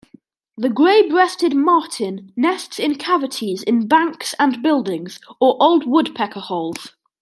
The grey-breasted martin nests in cavities in banks and buildings, or old woodpecker holes.